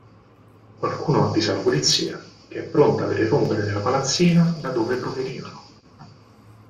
Qualcuno avvisa la polizia, che è pronta per irrompere nella palazzina da dove provenivano.